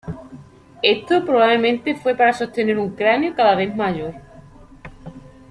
Esto probablemente fue para sostener un cráneo cada vez mayor.